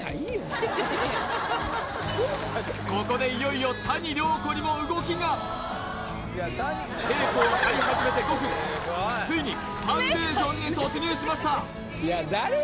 ここでいよいよ谷亮子にも動きがテープを貼り始めて５分ついにファンデーションに突入しました